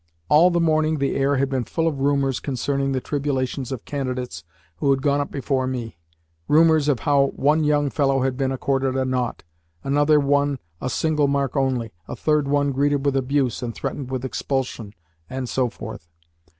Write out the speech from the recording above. All the morning the air had been full of rumours concerning the tribulations of candidates who had gone up before me: rumours of how one young fellow had been accorded a nought, another one a single mark only, a third one greeted with abuse and threatened with expulsion, and so forth.